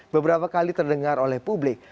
beberapa kali terdengar oleh publik